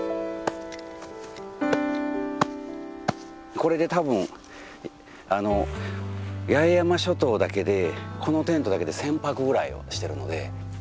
これでたぶん八重山諸島だけでこのテントだけで１，０００泊ぐらいをしてるので。